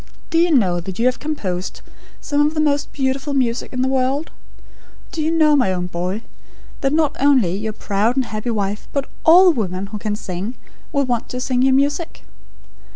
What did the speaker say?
Do you know that you have composed some of the most beautiful music in the world? Do you know, my own boy, that not only your proud and happy wife, but ALL women who can sing, will want to sing your music?